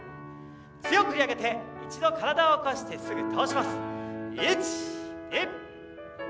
強く上げて、一度体を起こしてすぐ倒します。